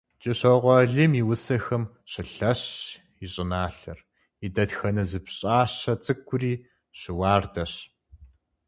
КӀыщокъуэ Алим и усэхэм щылъэщщ и щӀыналъэр, и дэтхэнэ зы пщӀащэ цӀыкӀури щыуардэщ.